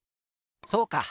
そうか！